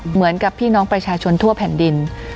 เหมือนกับพี่น้องประชาชนทั่วแผ่นดิน